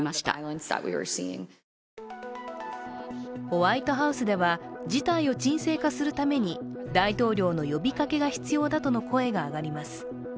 ホワイトハウスでは事態を鎮静化するために大統領の呼びかけが必要だとの声が上がります。